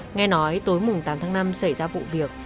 nghe nói tối mùng tám tháng năm xảy ra vụ việc